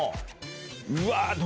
うわ。